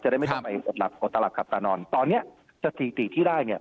จะได้ไม่ต้องไปตลับขับตานอนตอนนี้สถิติที่ได้เนี่ย